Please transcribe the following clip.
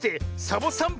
サボさん